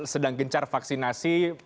sedang gencar vaksinasi